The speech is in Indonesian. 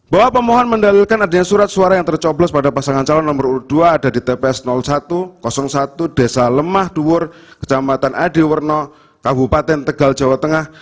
bahwa pemohon mendalilkan adanya surat suara yang tercoblos pada pasangan calon nomor urut dua ada di tps satu satu desa lemah duwur kecamatan adiwarno kabupaten tegal jawa tengah